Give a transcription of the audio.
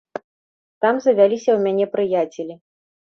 Там завяліся ў мяне прыяцелі.